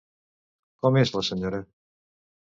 Com és la senyora?